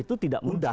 itu tidak mudah